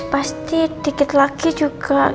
pasti dikit lagi juga